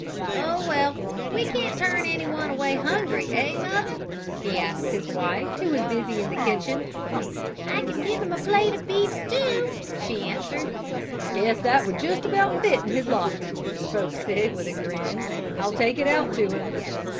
"Oh, well, we can't turn anyone away hungry; eh, Mother?" he asked his wife, who was busy in the kitchen. "I can give him a plate of beef stew," she answered. "Guess that would just about fit in his locker," spoke Sig, with a grin. "I'll take it out to him."